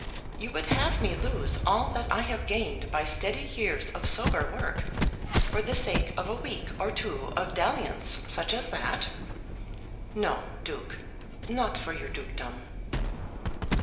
You would have me lose all that I have gained by steady years of sober work for the sake of a week or two of dalliance such as that! No, Duke; not for your dukedom!"